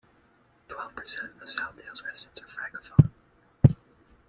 Twelve per cent of Southdale's residents are francophone.